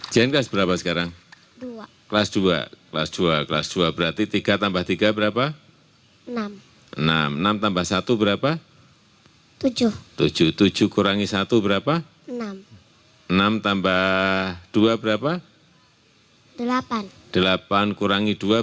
jangan lupa like share dan subscribe yaa